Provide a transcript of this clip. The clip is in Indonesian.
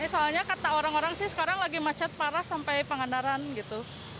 soalnya kata orang orang sih sekarang lagi macet parah sampai pangandaran gitu